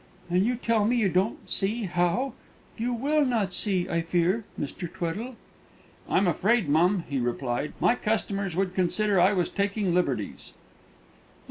And you tell me you don't see how; you will not see, I fear, Mr. Tweddle." "I'm afraid, mum," he replied, "my customers would consider I was taking liberties."